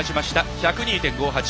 １０２．５８。